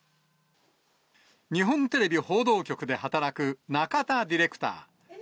日本テレビ報道局で働く中田ディレクター。